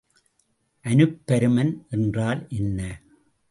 அனுப்பருமன் என்றால் என்ன?